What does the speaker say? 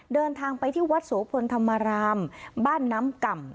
เดินทางไปที่วัดโสพลธรรมรามบ้านน้ำก่ำ